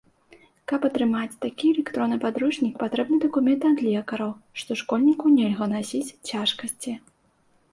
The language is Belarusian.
Каб атрымаць такі электронны падручнік, патрэбны дакумент ад лекараў, што школьніку нельга насіць цяжкасці.